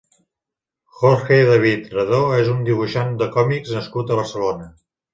Jorge David Redó és un dibuixant de còmics nascut a Barcelona.